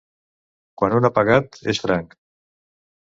Quan un ha pagat, és franc.